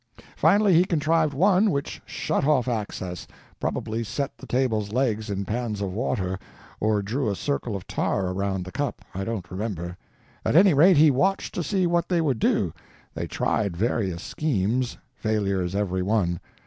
Finally he contrived one which shut off access—probably set the table's legs in pans of water, or drew a circle of tar around the cup, I don't remember. At any rate, he watched to see what they would do. They tried various schemes—failures, every one.